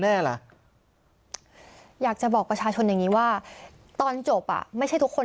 แน่ล่ะอยากจะบอกประชาชนอย่างนี้ว่าตอนจบอ่ะไม่ใช่ทุกคน